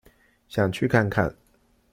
想去看看